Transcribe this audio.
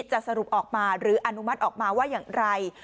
สรุปออกมาหรืออนุมัติออกมาว่าอย่างไร